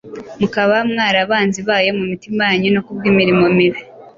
mukaba mwari abanzi bayo mu mitima yanyu no kubw’imirimo mibi,